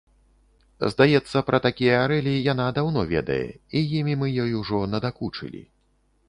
Здаецца, пра такія арэлі яна даўно ведае, і імі мы ёй ужо надакучылі.